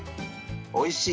おいしい